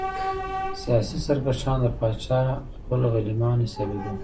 سیاسي سرکښان د پاچا خپل غلیمان حسابېدل.